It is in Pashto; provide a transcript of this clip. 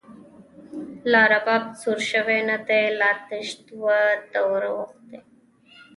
لا رباب سور شوۍ ندۍ، لا تش دوه دوره اوښتۍ